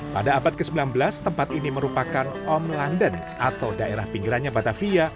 pada abad ke sembilan belas tempat ini merupakan om london atau daerah pinggirannya batavia